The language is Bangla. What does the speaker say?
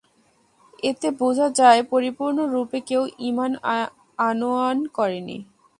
এতে বোঝা যায় পরিপূর্ণরূপে কেউ ঈমান আনয়ন করেনি।